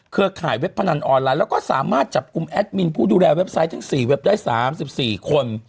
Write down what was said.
ขายเว็บพนันออนไลน์แล้วก็สามารถจับกลุ่มแอดมินผู้ดูแลเว็บไซต์ทั้ง๔เว็บได้๓๔คน